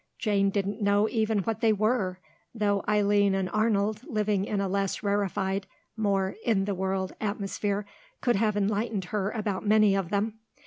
Jane didn't know even what they were, though Eileen and Arnold, living in a less rarefied, more in the world atmosphere, could have enlightened her about many of them.